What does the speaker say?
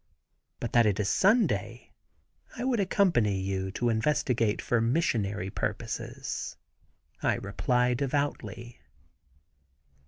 But that it is Sunday I would accompany you to investigate for missionary purposes," I reply devoutly.